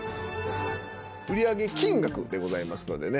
売り上げ金額でございますのでね。